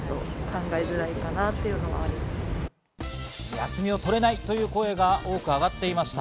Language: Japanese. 休みを取れないという声が多くあがっていました。